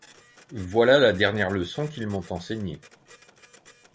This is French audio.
Voilà la dernière leçon qu’ils m’ont enseignée.